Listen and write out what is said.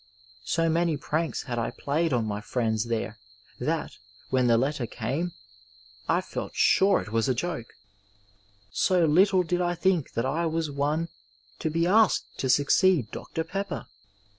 So many pranks had I played on my friends there that, when the letter came, I felt sure it was a joke, so little did I think that I was one to be asked to succeed Dr. Pepper.